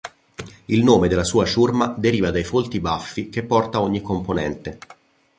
Il nome della sua ciurma deriva dai folti baffi che porta ogni componente.